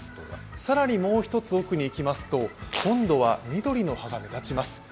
更にもう一つ奥にいきますと、今度は緑の葉が目立ちます。